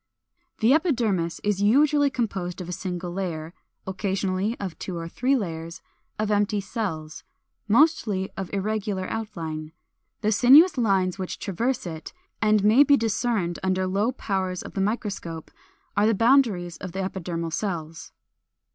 The epidermis is usually composed of a single layer, occasionally of two or three layers, of empty cells, mostly of irregular outline. The sinuous lines which traverse it, and may be discerned under low powers of the microscope (Fig. 487), are the boundaries of the epidermal cells.